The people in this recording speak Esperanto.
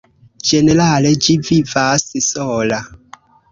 Ĝenerale ĝi vivas sola.